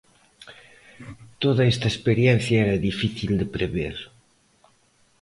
Toda esta experiencia era difícil de prever.